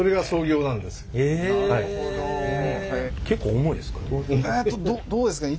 結構重いですかね？